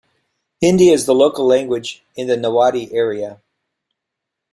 Hindi is the local language in the Nawadih area.